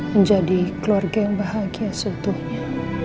menjadi keluarga yang bahagia seutuhnya